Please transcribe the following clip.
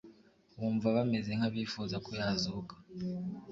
wumva bameze nk’abifuza ko yazuka